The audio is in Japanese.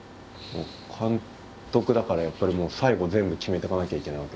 監督だからやっぱりもう最後全部決めてかなきゃいけないわけですもんね。